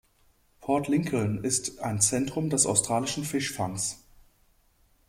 Port Lincoln ist ein Zentrum des australischen Fischfangs.